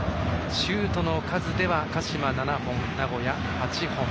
シュートの数では鹿島７本名古屋８本。